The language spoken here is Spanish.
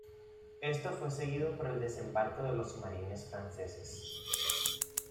Esto fue seguido por el desembarco de los marines franceses.